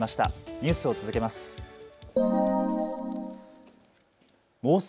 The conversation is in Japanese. ニュースを続けます。